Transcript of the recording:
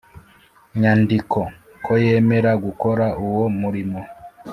nyandiko ko yemera gukora uwo murimo